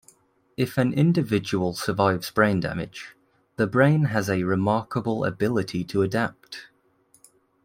If an individual survives brain damage, the brain has a remarkable ability to adapt.